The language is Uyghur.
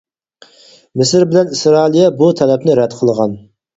مىسىر بىلە ئىسرائىلىيە بۇ تەلەپنى رەت قىلغان.